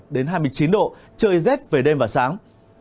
đến hai mươi chín độ trời rét về đêm và sáng